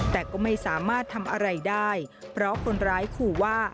แต่ก็ไม่สามารถทำอะไรได้เพราะคนร้ายขู่ว่า